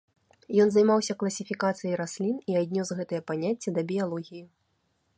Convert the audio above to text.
Ён займаўся класіфікацыяй раслін і аднёс гэтае паняцце да біялогіі.